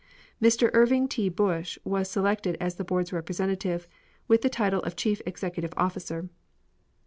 Mr. Irving T. Bush was selected as the board's representative, with the title of chief executive officer.